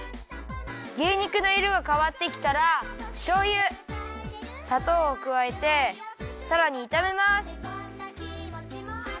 牛肉のいろがかわってきたらしょうゆさとうをくわえてさらにいためます。